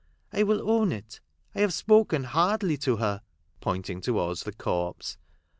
" I will own it. I have spoken hardly to her," pointing towards the corpse.